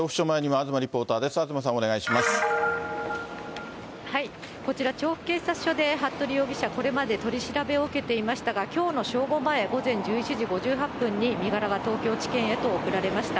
東さん、こちら、調布警察署で服部容疑者、これまで取り調べを受けていましたが、きょうの正午前、午前１１時５８分に身柄が東京地検へと送られました。